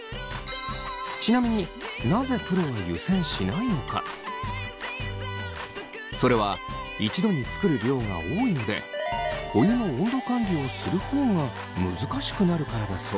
ちなみにそれは一度に作る量が多いのでお湯の温度管理をする方が難しくなるからだそう。